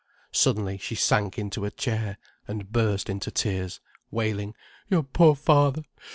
Suddenly she sank into a chair, and burst into tears, wailing: "Your poor father!